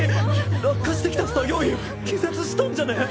落下してきた作業員気絶したんじゃね？